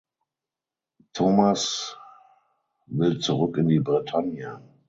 Thomas will zurück in die Bretagne.